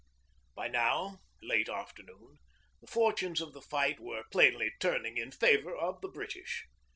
By now, late afternoon, the fortunes of the fight were plainly turning in favour of the British.